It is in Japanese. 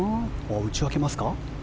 打ち分けますか？